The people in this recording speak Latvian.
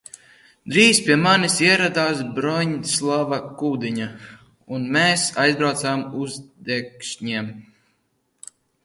Drīz pie manis ieradās Broņislava Kudiņa, un mēs aizbraucām uz Dekšņiem.